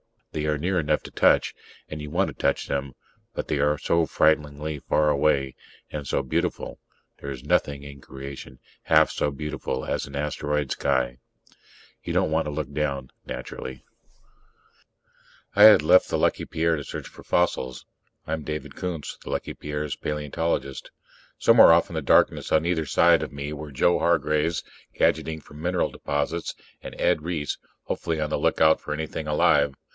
They are near enough to touch, and you want to touch them, but they are so frighteningly far away ... and so beautiful: there's nothing in creation half so beautiful as an asteroid sky. You don't want to look down, naturally. I had left the Lucky Pierre to search for fossils (I'm David Koontz, the Lucky Pierre's paleontologist). Somewhere off in the darkness on either side of me were Joe Hargraves, gadgeting for mineral deposits, and Ed Reiss, hopefully on the lookout for anything alive.